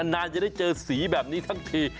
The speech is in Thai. นานจะได้เจอสีแบบนี้ทั้งที